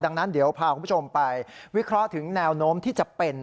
ดังนั้นเดี๋ยวพาคุณผู้ชมไปวิเคราะห์ถึงแนวโน้มที่จะเป็น